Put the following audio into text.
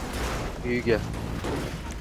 uyiga